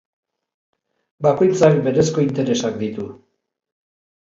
Bakoitzak berezko interesak ditu.